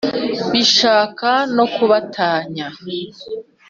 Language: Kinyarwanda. bishaka no kubatanya